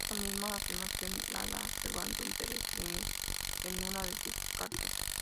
Esta misma afirmación la da Servando Teresa de Mier en una de sus cartas.